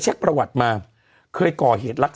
แช็กประวัติมาเคยก่อเหตุลักษณ์